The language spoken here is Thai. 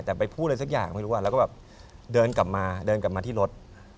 แต่ไปพูดอะไรสักอย่างไม่รู้ว่าแล้วก็แบบเดินกลับมาที่รถ